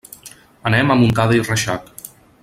Anem a Montcada i Reixac.